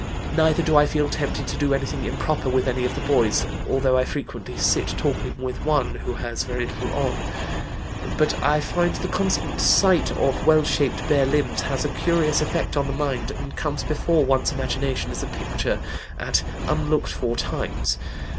Neither do I feel tempted to do anything improper with any of the boys, although I frequently sit talking with one who has very little on. But I find the constant sight of well shaped bare limbs has a curious effect on the mind and comes before one's imagination as a picture at unlooked for times.